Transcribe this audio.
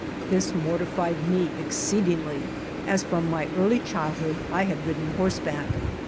This mortified me exceedingly, as from my early child hood I had ridden horseback.